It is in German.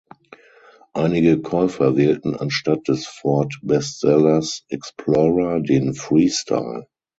Einige Käufer wählten anstatt des Ford-Bestsellers Explorer den Freestyle.